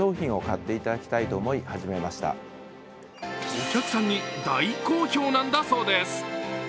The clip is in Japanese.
お客さんに大好評なんだそうです。